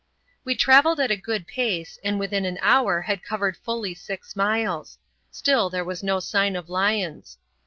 We travelled at a good pace, and within an hour had covered fully six miles; still there was no sign of lions.